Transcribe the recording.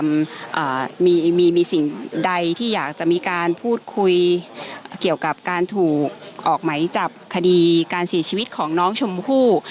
มีมีสิ่งใดที่อยากจะมีการพูดคุยเกี่ยวกับการถูกออกไหมจับคดีการเสียชีวิตของน้องชมพู่